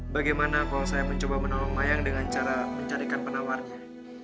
bagaimana kalau saya mencoba menolong mayang dengan cara mencarikan penawarnya